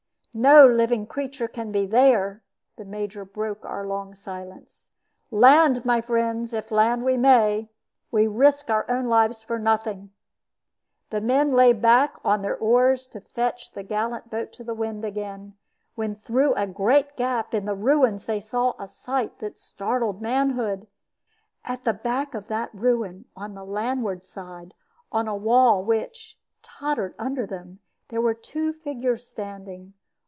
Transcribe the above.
"No living creature can be there," the Major broke our long silence. "Land, my friends, if land we may. We risk our own lives for nothing." The men lay back on their oars to fetch the gallant boat to the wind again, when through a great gap in the ruins they saw a sight that startled manhood. At the back of that ruin, on the landward side, on a wall which, tottered under them, there were two figures standing.